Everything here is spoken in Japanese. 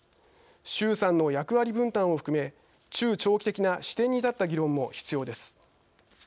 衆参の役割分担を含め中長期的な視点に立った議論も必要です。